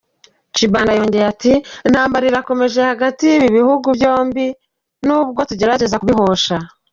Tshibanda yongeyeho ati “Intambara irakomeje hagati y’ibi bihugu, n’ubwo tugerageza kubihosha.